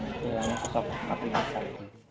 istilahnya sosok mati besar